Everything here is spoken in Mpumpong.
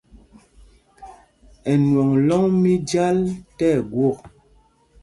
Ɛnwɔŋ lɔ́ŋ mí Jal tí ɛgwôk.